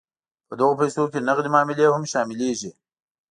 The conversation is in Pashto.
په دغه پیسو کې نغدې معاملې هم شاملیږي.